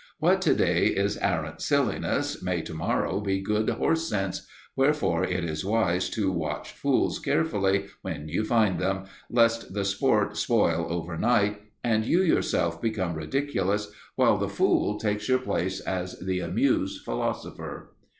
What today is arrant silliness may tomorrow be good horse sense, wherefore it is wise to watch fools carefully when you find them, lest the sport spoil overnight, and you yourself become ridiculous, while the fool takes your place as the amused philosopher.